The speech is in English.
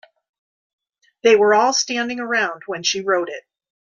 They were all standing around when she wrote it.